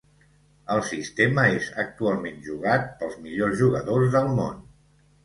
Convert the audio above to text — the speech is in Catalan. El sistema és actualment jugat pels millors jugadors del món.